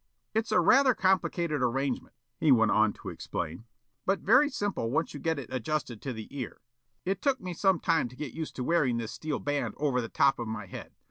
"It's a rather complicated arrangement," he went on to explain, "but very simple once you get it adjusted to the ear. It took me some time to get used to wearing this steel band over the top of my head.